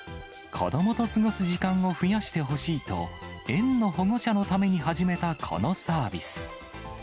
子どもと過ごす時間を増やしてほしいと、園の保護者のために始めたこのサービス。